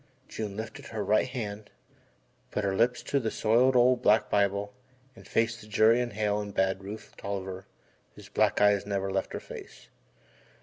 June lifted her right hand, put her lips to the soiled, old, black Bible and faced the jury and Hale and Bad Rufe Tolliver whose black eyes never left her face.